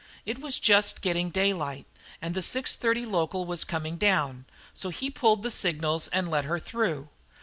It was just getting daylight, and the 6.30 local was coming down, so he pulled the signals and let her through.